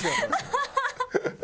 ハハハハ！